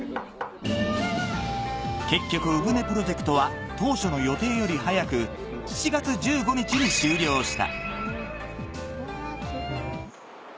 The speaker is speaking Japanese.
結局鵜舟プロジェクトは当初の予定より早く７月１５日に終了した。